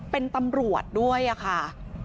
เป็นตำรวจด้วยค่ะ